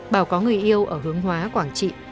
bảo có người yêu ở hướng hóa quảng trị